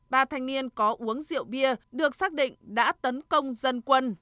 ba thanh niên có uống rượu bia được xác định đã tấn công dân quân